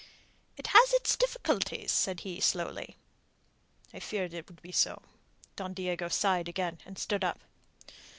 "It has its difficulties," said he slowly. "I feared it would be so." Don Diego sighed again, and stood up.